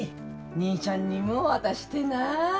兄ちゃんにも渡してな。